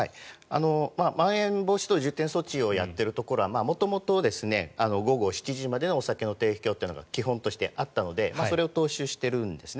まん延防止等重点措置をやっているところは元々、午後７時までのお酒の提供というのが基本としてあったのでそれを踏襲しているんですね。